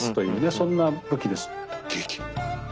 そんな武器です。